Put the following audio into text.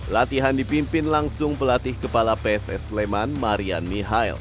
latihan dipimpin langsung pelatih kepala pss sleman marian mihael